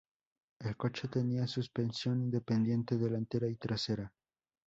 El coche tenía suspensión independiente delantera y trasera.